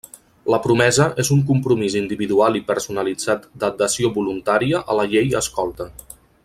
La promesa és un compromís individual i personalitzat d’adhesió voluntària a la Llei escolta.